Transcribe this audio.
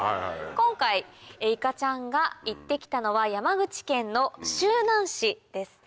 今回いかちゃんが行って来たのは山口県の周南市です。